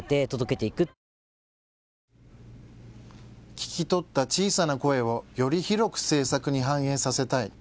聞き取った小さな声をより広く政策に反映させたい。